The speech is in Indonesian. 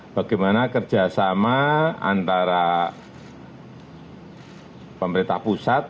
bagaimana kerjasama antara pemerintah pusat